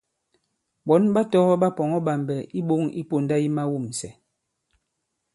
Ɓɔ̌n ɓa tɔgɔ̄ ɓa pɔ̀ŋɔ̄ ɓàmbɛ̀ i iɓoŋ i pōnda yi mawûmsɛ̀.